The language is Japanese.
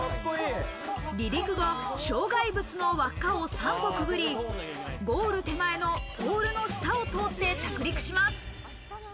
離陸後、障害物の輪っかを３個くぐり、ゴール手前のポールの下を通って着陸します。